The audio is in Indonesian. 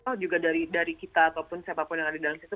atau juga dari kita ataupun siapapun yang ada di dalam situ